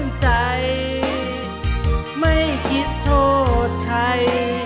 ไม่คิดทดใจไม่คิดโทษใคร